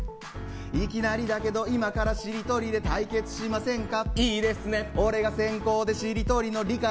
いきなりだけど、今からしりとりで対決しませんか？